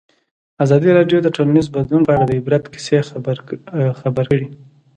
ازادي راډیو د ټولنیز بدلون په اړه د عبرت کیسې خبر کړي.